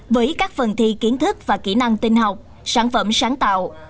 với các phần thi kiến thức và kỹ năng tinh học sản phẩm sáng tạo